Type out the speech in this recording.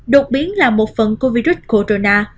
đột biến là một phần của virus corona